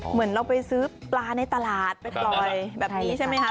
เหมือนเราไปซื้อปลาในตลาดไปปล่อยแบบนี้ใช่ไหมคะ